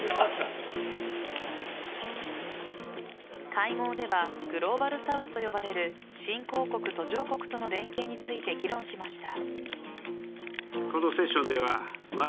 会合ではグローバルサウスと呼ばれる新興国・途上国との連携について議論しました。